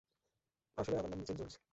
আসলে, আমার নাম মিচেল জোনস।